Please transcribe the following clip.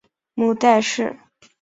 母戴氏。